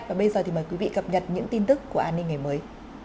và bây giờ thì mời quý vị cập nhật những tin tức của an ninh ngày mới